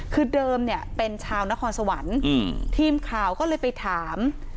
คือเดิมเนี่ยเป็นชาวนครสวรรค์ทีมข่าวก็เลยไปถาม